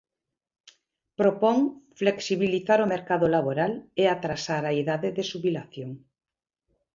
Propón flexibilizar o mercado laboral e atrasar a idade de xubilación.